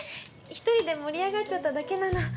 一人で盛り上がっちゃっただけなの。